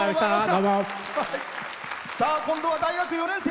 今度は大学４年生。